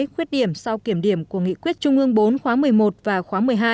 khuyết điểm sau kiểm điểm của nghị quyết trung ương bốn khóa một mươi một và khóa một mươi hai